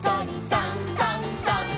「さんさんさん」